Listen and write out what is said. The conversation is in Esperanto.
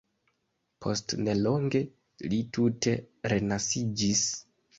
Post nelonge, li tute resaniĝis.